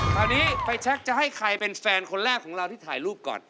คราวนี้ไฟแชคจะให้ใครเป็นแฟนคนแรกของเราที่ถ่ายรูปก่อน